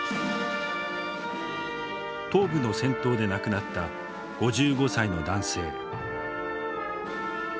東部の戦闘で亡くなった５５歳の男性。